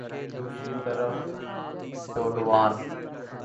دوسری طرف ڈھلوان